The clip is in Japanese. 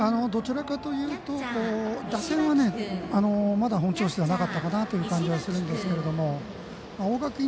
どちらかというと打線が、まだ本調子じゃなかったかなという気がするんですけど大垣